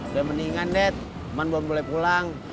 udah mendingan dead cuman belum boleh pulang